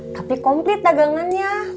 tapi komplit dagangannya